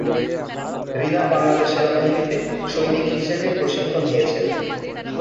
রিনা বাংলাদেশ সেনাবাহিনীতে সৈনিক হিসেবে প্রশিক্ষণ নিয়েছেন।